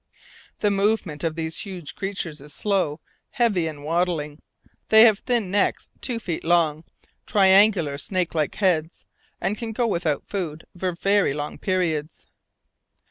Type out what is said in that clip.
The movement of these huge creatures is slow, heavy, and waddling; they have thin necks two feet long, triangular snake like heads, and can go without food for very long periods.